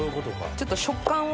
ちょっと食感を。